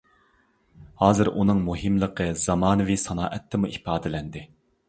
ھازىر ئۇنىڭ مۇھىملىقى زامانىۋى سانائەتتىمۇ ئىپادىلەندى.